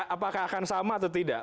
apakah akan sama atau tidak